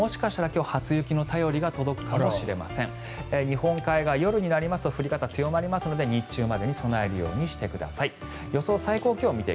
日本海側、夜になりますと降り方、強まりますので日中までに備えるようにしてください。